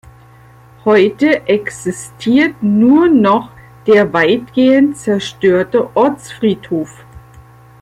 Heute existiert nur noch der weitgehend zerstörte Ortsfriedhof.